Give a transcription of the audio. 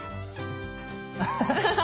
アハハッ。